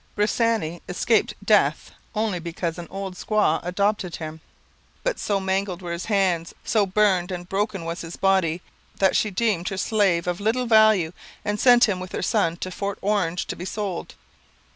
Bressani escaped death only because an old squaw adopted him; but so mangled were his hands, so burned and broken was his body, that she deemed her slave of little value and sent him with her son to Fort Orange to be sold.